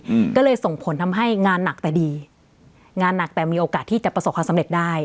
อืมก็เลยส่งผลทำให้งานหนักแต่ดีงานหนักแต่มีโอกาสที่จะประสบความสำเร็จได้